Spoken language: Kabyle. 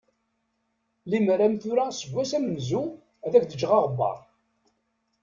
Limer am tura seg wass amenzu ad ak-d-ǧǧeɣ aɣebbar.